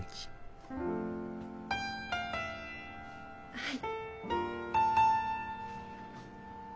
はい。